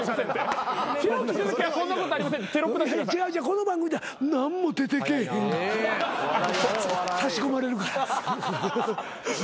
この番組では「何も出てけえへん」差し込まれるから。